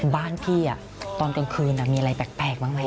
บ้านพี่ตอนกลางคืนมีอะไรแปลกบ้างไหม